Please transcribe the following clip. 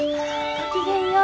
ごきげんよう！